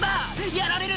やられる！